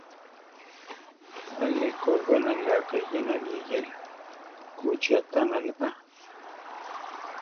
Aʼlí ko we naláka eyénali eyéla, kúchi aʼtanala aa.